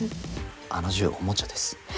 あの銃、おもちゃです。